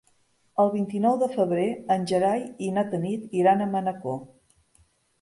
El vint-i-nou de febrer en Gerai i na Tanit iran a Manacor.